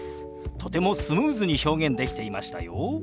とてもスムーズに表現できていましたよ。